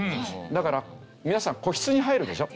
だから皆さん個室に入るでしょ？